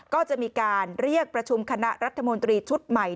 ก็จะมีการเรียกประชุมคณะรัฐมนตรีชุดใหม่